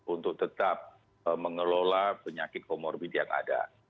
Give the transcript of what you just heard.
untuk tetap mengelola penyakit komorbid yang ada